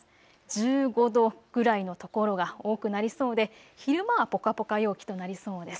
１５度ぐらいの所が多くなりそうで昼間はぽかぽか陽気となりそうです。